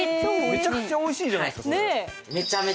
めちゃくちゃおいしいじゃないですかそれ。